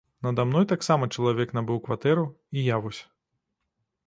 Нада мной таксама чалавек набыў кватэру, і я вось.